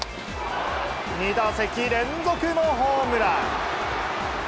２打席連続のホームラン。